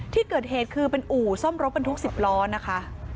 ที่เกิดเหตุคือเป็นอู่ซ่อมรถบรรทุก๑๐ล้อนะคะ